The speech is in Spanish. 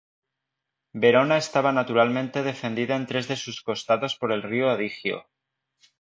Verona estaba naturalmente defendida en tres de sus costados por el río Adigio.